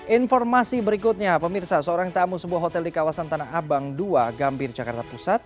informasi berikutnya pemirsa seorang tamu sebuah hotel di kawasan tanah abang dua gambir jakarta pusat